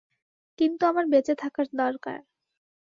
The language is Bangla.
কিন্তু আমার বেঁচে থাকার দরকার।